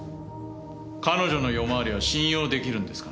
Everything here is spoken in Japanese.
彼女の夜回りは信用出来るんですかね？